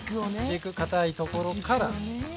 軸かたいところから。